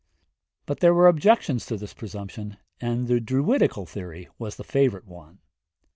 But there were objections to this presumption, and the Druidical theory was the favourite one.